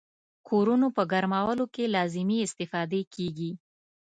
کورونو په ګرمولو کې لازمې استفادې کیږي.